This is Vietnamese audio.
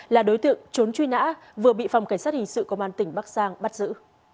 là đối tượng trốn truy nã vừa bị phòng cảnh sát hình sự công an tỉnh bắc giang bắt giữ